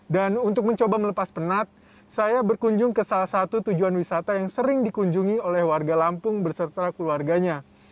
dan untuk mencoba melepas penat saya berkunjung ke salah satu tujuan wisata yang sering dikunjungi oleh warga lampung berserta keluarganya